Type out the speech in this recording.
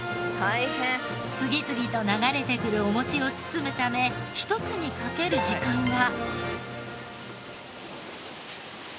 次々と流れてくるお餅を包むため１つにかける時間は。